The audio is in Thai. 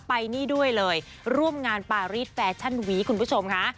ไปนี่ด้วยเลยร่วมงานปารีสแฟชั่นวีคคุณผู้ชมค่ะ